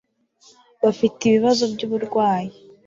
bafite ibibazo by'uburwayi